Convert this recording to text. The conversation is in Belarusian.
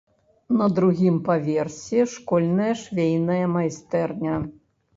На другім паверсе школьная швейная майстэрня.